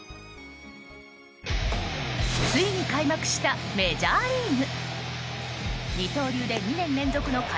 ついに開幕したメジャーリーグ。